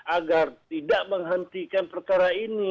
agar tidak menghentikan perkara ini